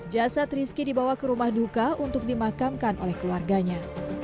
jasad rizki dibawa ke rumah duka untuk dimakamkan oleh keluarganya